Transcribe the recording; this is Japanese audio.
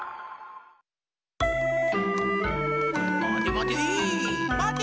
まてまて！